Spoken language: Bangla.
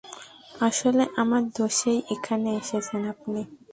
আসলে, আমার দোষেই এখানে এসেছেন আপনি।